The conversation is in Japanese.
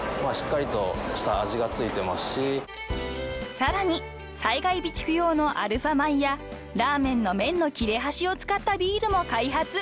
［さらに災害備蓄用のアルファ米やラーメンの麺の切れ端を使ったビールも開発］